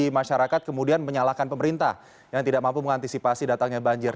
masyarakat harus bertanggung jawab juga terhadap banjir